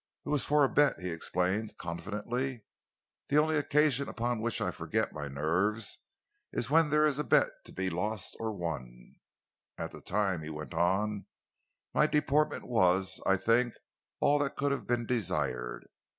"It was for a bet," he explained confidentially. "The only occasion upon which I forget my nerves is when there is a bet to be lost or won. At the time," he went on, "my deportment was, I think, all that could have been desired.